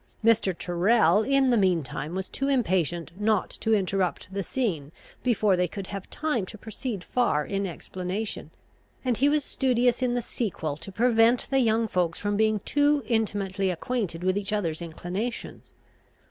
Mr. Tyrrel, in the mean time, was too impatient not to interrupt the scene before they could have time to proceed far in explanation; and he was studious in the sequel to prevent the young folks from being too intimately acquainted with each other's inclinations.